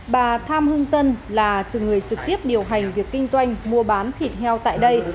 bà tham hương dân là chủ người trực tiếp điều hành việc kinh doanh mua bán thịt heo tại đây